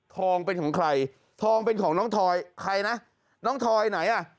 ทองเป็นของใครทองเป็นของน้องทอยใครนะน้องทอยไหนอ่ะ